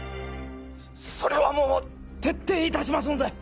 そそれはもう徹底いたしますので！